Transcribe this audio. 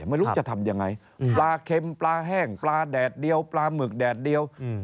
ไม่รู้จะทำยังไงปลาเข็มปลาแห้งปลาแดดเดียวปลาหมึกแดดเดียว